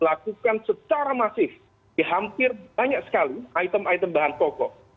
lakukan secara masif di hampir banyak sekali item item bahan pokok